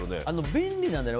便利なんだよね。